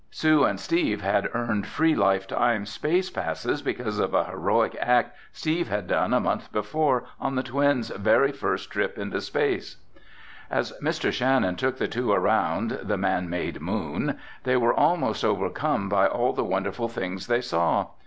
Sue and Steve had earned free lifetime space passes because of a heroic act Steve had done a month before on the twins' very first trip into space. As Mr. Shannon took the two around the "man made moon," they were almost overcome by all the wonderful things they saw.